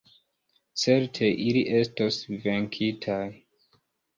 Certe ili estos venkitaj.